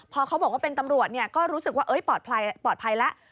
พอเขาบอกว่าเป็นตำรวจก็รู้สึกว่าปลอดภัยแล้ว